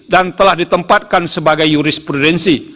dan telah ditempatkan sebagai jurisprudensi